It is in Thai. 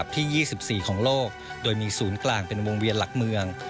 ที่๒๔ของโลกโดยมีศูนย์กลางเป็นวงเวียนหลักเมือง